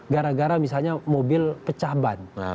gara gara misalnya mobil pecah ban